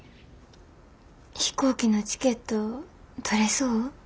飛行機のチケット取れそう？